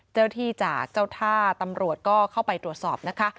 เจ้าที่จากเจ้าท่าตำรวจก็เข้าไปตรวจสอบนะคะ